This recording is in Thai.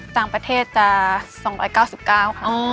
ต่างประเทศจะ๒๙๙ค่ะ